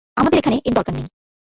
আমাদের এখানে এর দরকার নেই।